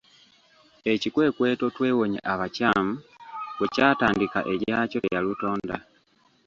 Ekikwekweto “Twewonye abakyamu” bwe kyatandika egyakyo teyalutonda.